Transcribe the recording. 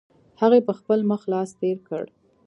هغې په خپل مخ لاس تېر کړ.